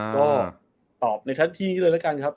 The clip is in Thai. ก็ตอบในชั้นที่นี้เลยละกันครับ